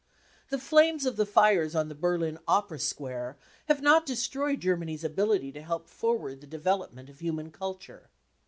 The flames of the fires on the Berlin Opera Square have not destroyed Germany's ability to ^elp forward the develop ment of human culture.